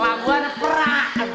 lagu ane peraaat